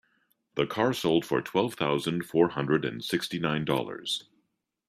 The car sold for twelve thousand four hundred and sixty nine Dollars.